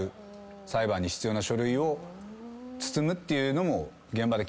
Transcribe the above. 裁判に必要な書類を包むっていうのも。